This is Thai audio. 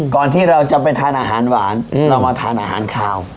ก่อนที่เราจะไปทานอาหารหวานเรามาทานอาหารคาว